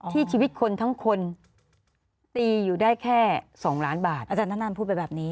ชีวิตคนทั้งคนตีอยู่ได้แค่๒ล้านบาทอาจารย์ธนันพูดไปแบบนี้